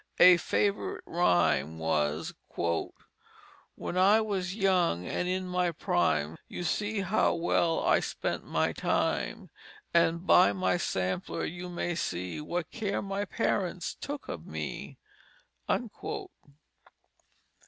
A favorite rhyme was: "When I was young and in my Prime, You see how well I spent my Time. And by my sampler you may see What care my Parents took of me."